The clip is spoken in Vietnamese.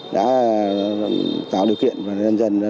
đã tạo điều kiện và nhân dân rất hài lòng